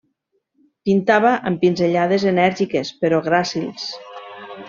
Pintava amb pinzellades enèrgiques però gràcils.